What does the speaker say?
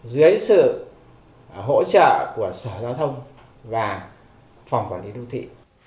dưới sự hỗ trợ của sở giao thông và phòng quản lý đô thị